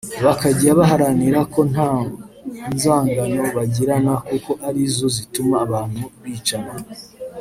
bakajya baharanira ko nta nzangano bagirana kuko arizo zituma abantu bicana